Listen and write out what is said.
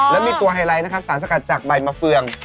แล้วมีตัวไฮไลท์นะครับสารสกัดจากใบมะเฟือง